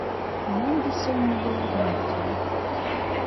Каманда сёння была мёртвая.